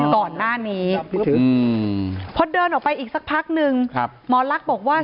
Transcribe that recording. ก่อนหน้านี้พอเดินออกไปอีกสักพักนึงหมอลักษณ์บอกว่า